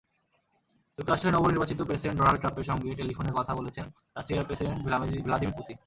যুক্তরাষ্ট্রের নবনির্বাচিত president Donald ট্রাম্পের সঙ্গে টেলিফোনে কথা বলেছেন রাশিয়ার প্রেসিডেন্ট ভ্লাদিমির পুতিন।